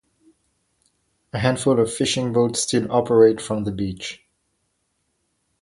A handful of fishing boats still operate from the beach.